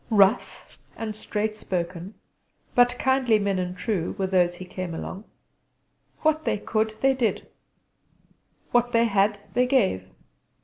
Rough and straight spoken, but kindly men and true, were those he came among. What they could they did: what they had they gave.